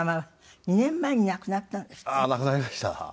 亡くなりました。